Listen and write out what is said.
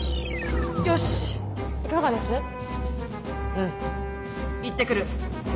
うん行ってくる。